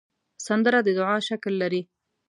سندره د دعا شکل لري